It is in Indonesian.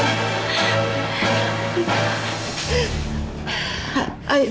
insya allah minta